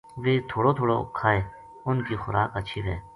ویہ تھوڑو تھوڑو کھائے اُنھ کی خوراک ہچھی ہووے۔